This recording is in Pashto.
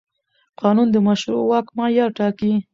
قانون د مشروع واک معیار ټاکي.